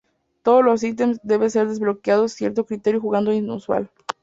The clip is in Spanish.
Todos los ítems deben ser desbloqueados ciertos criterios jugando.inusual.